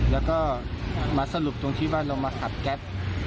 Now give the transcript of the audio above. แล้วก็มาสรุปตรงที่ว่าเรามาขับแก๊ส